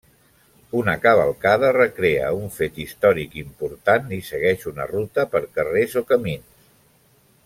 Una cavalcada recrea un fet històric important i segueix una ruta per carrers o camins.